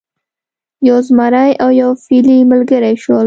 یو زمری او یو فیلی ملګري شول.